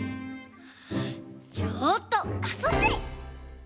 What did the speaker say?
ちょっとあそんじゃえ！